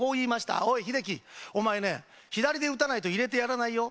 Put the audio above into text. おい、秀喜、お前ね、左で打たないと入れてやらないよ。